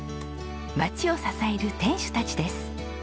町を支える店主たちです。